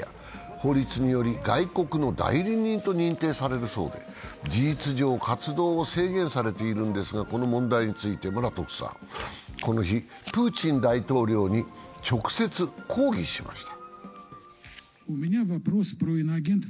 法律により外国の代理人と認定されるそうで事実上、活動を制限されているのですが、この問題について、ムラトフさん、この日、プーチン大統領に直接、抗議しました。